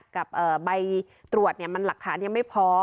กับใบตรวจมันหลักฐานยังไม่พอ